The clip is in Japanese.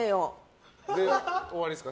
で終わりですか？